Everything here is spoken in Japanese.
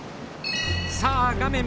さあ画面